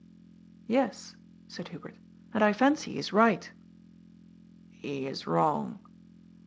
" Yes," said Hubert, " and I fancy he is right." " He is wrong.